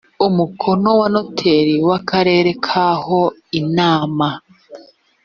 umukono wa noteri w akarere k aho inama